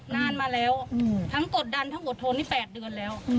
นานมาแล้วทั้งกดดันทั้งอดทนนี่๘เดือนแล้ว